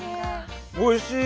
おいしい！